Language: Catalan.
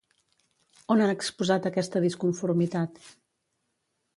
On han exposat aquesta disconformitat?